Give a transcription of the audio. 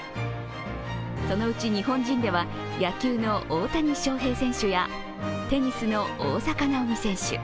そのうち日本人では野球の大谷翔平選手やテニスの大坂なおみ選手。